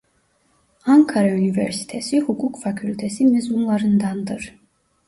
Ankara Üniversitesi Hukuk Fakültesi mezunlarındandır.